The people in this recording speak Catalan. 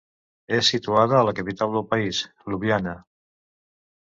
És situada a la capital del país, Ljubljana.